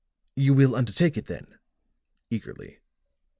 "You will undertake it then?" eagerly.